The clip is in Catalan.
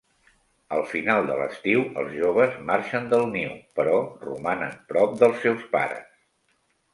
Al final de l'estiu, els joves marxen del niu, però romanen prop dels seus pares.